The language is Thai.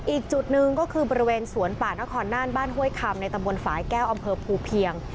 อีกจุดหนึ่งก็คือบริเวณสวนป่านครน่านบ้านห้วยคำในตำบลฝ่ายแก้วอำเภอภูเพียง